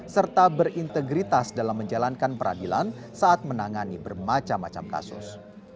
serta berintegritas dalam menjalankan peradilan saat menangani bermacam macam kasus